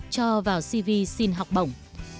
cho vào cv xin học bổng